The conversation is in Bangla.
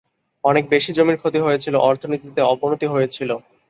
অনেক বেশি জমির ক্ষতি হয়েছিল, অর্থনীতিতে অবনতি হয়েছিল।